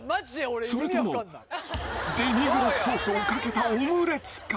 それともデミグラスソースをかけたオムレツか？